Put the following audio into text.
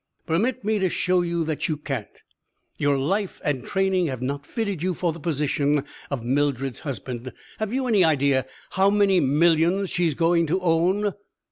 "Permit me to show you that you can't. Your life and training have not fitted you for the position of Mildred's husband. Have you any idea how many millions she is going to own?"